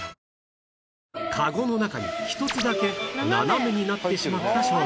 籠の中に一つだけ斜めになってしまった商品が